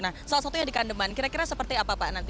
nah salah satunya di kandeman kira kira seperti apa pak nanti